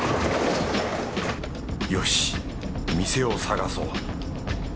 よし店を探そう。